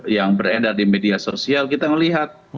yang beredar di media sosial kita melihat